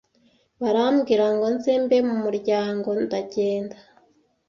barambwira ngo nze mbe mu muryango ndagenda